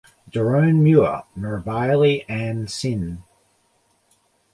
Dorone Mure mirbaili ann sin.